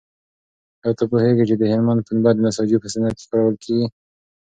ایا ته پوهېږې چې د هلمند پنبه د نساجۍ په صنعت کې کارول کېږي؟